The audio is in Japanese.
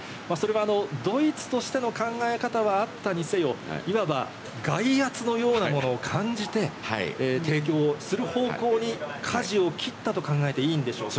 ドイツとしての考え方はあったにせよ、今は外圧のようなものを感じて、提供する方向に舵を切ったと考えていいんでしょうか？